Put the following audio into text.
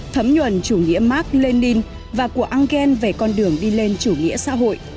thấm nhuần chủ nghĩa mark lenin và của engel về con đường đi lên chủ nghĩa xã hội